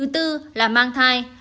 thứ bốn là mang thai